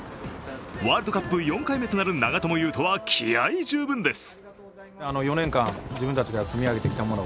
ワールドカップ４回目となる長友佑都は気合い十分です。